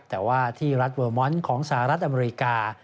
แต่ว่าที่รัฐเวอร์มอนด์ของสหรัฐอเมริกา